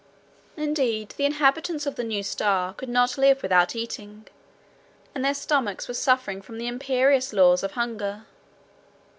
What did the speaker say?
Indeed the inhabitants of the new star could not live without eating, and their stomachs were suffering from the imperious laws of hunger.